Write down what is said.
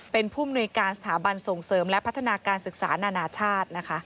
เป็นผู้มนุยการสถาบันส่งเสริมและพัฒนาการศึกษานานาชาตินะคะ